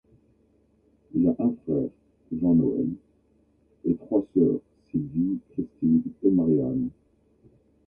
Il a un frère, Jean-Noël, et trois sœurs, Sylvie, Christine et Marianne.